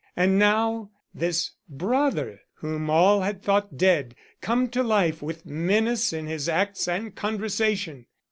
And now, this brother whom all had thought dead, come to life with menace in his acts and conversation!